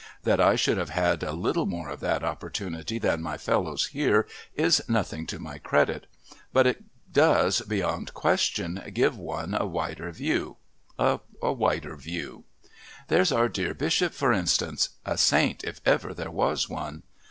That I should have had a little more of that opportunity than my fellows here is nothing to my credit, but it does, beyond question, give one a wider view a wider view. There's our dear Bishop for instance a saint, if ever there was one.